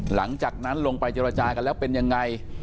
หลังจากนั้นลงไปเจรจากันแล้วเป็นยังไง